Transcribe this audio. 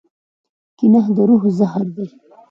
کینه د روح زهر دي.